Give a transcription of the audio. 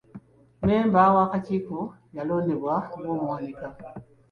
Mmemba w'akakiiko yalondeddwa ng'omuwanika.